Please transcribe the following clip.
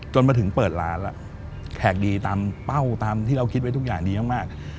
จนมาถึงเปิดร้านแขกดีตามเป้าตามที่เราคิดไว้ทุกอย่างดีมาก